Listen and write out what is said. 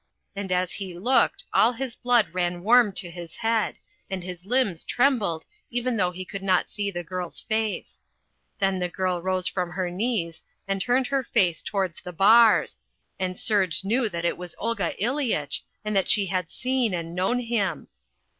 And as he looked all his blood ran warm to his head, and his limbs trembled even though he could not see the girl's face. Then the girl rose from her knees and turned her face towards the bars, and Serge knew that it was Olga Ileyitch and that she had seen and known him.